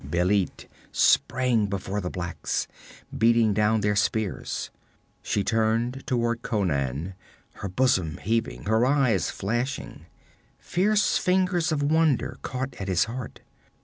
Bêlit sprang before the blacks, beating down their spears. She turned toward Conan, her bosom heaving, her eyes flashing. Fierce fingers of wonder caught at his heart.